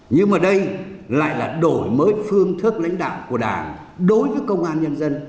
nhưng mà đây lại là đổi mới phương thức lãnh đạo của đảng đối với công an nhân dân